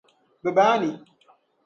Bɛ baa ni?